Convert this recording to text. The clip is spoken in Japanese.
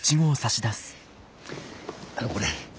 あのこれ。